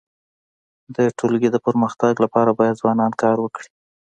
د ټولني د پرمختګ لپاره باید ځوانان کار وکړي.